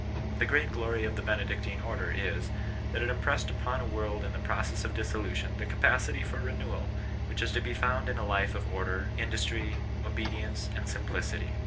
The great glory of the Benedictine Order is, that it impressed upon a world in the process of dissolution the capacity for renewal which is to be found in a life of order, industry, obedience and simplicity.